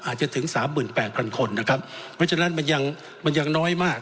อาจจะถึง๓๘๐๐๐คนนะครับเพราะฉะนั้นมันยังน้อยมาก